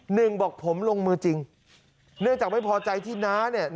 หนึ่งบอกผมลงมือจริงเนื่องจากไม่พอใจที่น้าเนี่ย